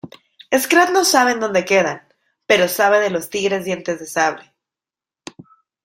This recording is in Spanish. Scrat no sabe en donde quedan pero sabe de los tigres dientes de sable.